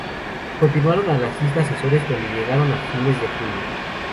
Continuaron a las islas Azores, donde llegaron a fines de julio.